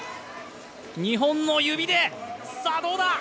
２本の指で、さあ、どうだ！